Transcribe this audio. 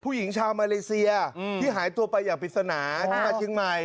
ผู้หญิงชาวมาเลเซียที่หายตัวไปอย่างปริศนาที่มาเชียงใหม่